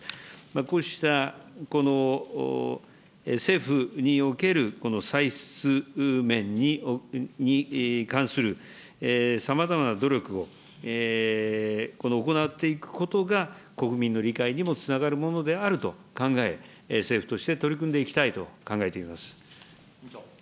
こうした政府におけるこの歳出面に関するさまざまな努力を行っていくことが、国民の理解にもつながるものであると考え、政府として取り組んでいきたいと考えています。